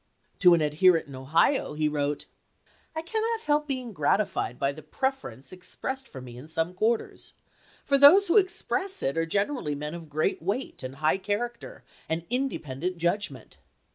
To an adherent in Ohio he wrote: "I cannot help being gratified by the preference expressed for me in some quarters, for those who express it are generally men of great weight, and high character, and independent judgment.